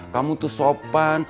kamu tuh sopan